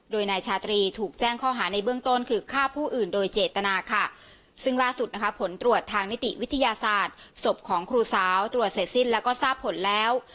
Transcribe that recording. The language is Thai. โดยนายชาตรีถูกแจ้งข้อหาในเบื้องต้นคือฆ่าผู้อื่นโดยเจตนาค่ะซึ่งล่าสุดนะคะผลตรวจทางนิติวิทยาศาสตร์ศพของครูสาวตรวจเสร็จสิ้นแล้วก็ทราบผลแล้ว